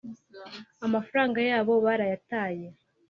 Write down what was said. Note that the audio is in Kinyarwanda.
amafaranga yabo barayataye